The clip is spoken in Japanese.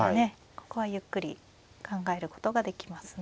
ここはゆっくり考えることができますね。